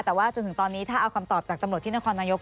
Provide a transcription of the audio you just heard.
แต่ว่าจนถึงตอนนี้ถ้าเอาคำตอบจากตำรวจที่นครนายก